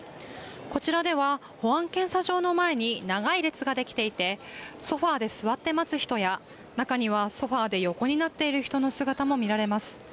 こちらでは保安検査場の前に長い列ができていてソファーで座って待つ人や、中にはソファーで横になっている人の姿も見られます。